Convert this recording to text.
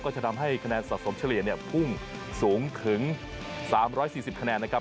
ก็จะทำให้คะแนนสะสมเฉลี่ยเนี่ยพุ่งสูงถึงสามร้อยสี่สิบคะแนนนะครับ